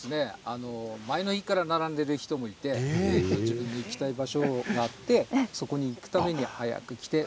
前の日から並んでいる人もいて自分の行きたい場所があってそこに行くために早く来て。